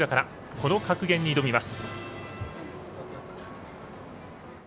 この格言に挑みます。